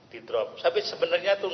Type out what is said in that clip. di drop tapi sebenarnya itu